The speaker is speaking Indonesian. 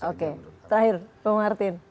oke terakhir pak martin